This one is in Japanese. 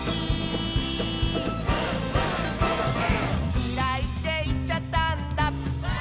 「きらいっていっちゃったんだ」